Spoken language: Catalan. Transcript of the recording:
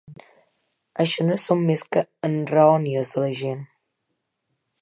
Això no són més que enraonies de la gent.